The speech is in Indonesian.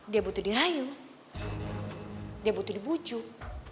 dia butuh dirayu dia butuh dibujuk